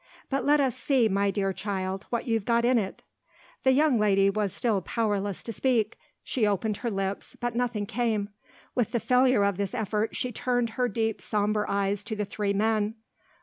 "But let us see, my dear child, what you've got in it!" The young lady was still powerless to speak; she opened her lips, but nothing came. With the failure of this effort she turned her deep sombre eyes to the three men.